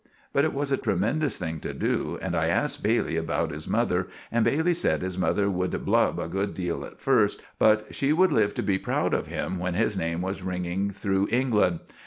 But it was a tremendous thing to do, and I asked Bailey about his mother, and Bailey sed his mother would blub a good deal at first, but she would live to be proud of him when his name was wringing through England.